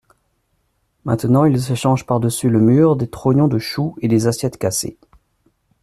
Maintenant ils échangent par-dessus le mur des trognons de chou et des assiettes cassées.